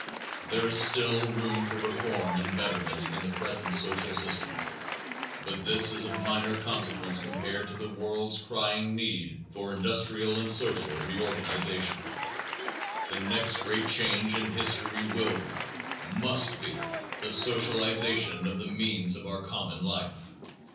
There is still room for reform and betterment in the present social system, but this is of minor consequence compared to the world's crying need for industrial and social reorganization. The next great change in history will be, must be, the socialization of the means of our common life.